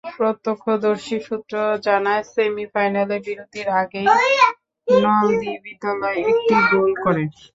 প্রত্যক্ষদর্শী সূত্র জানায়, সেমিফাইনালে বিরতির আগেই নলদী বিদ্যালয় একটি গোল করে।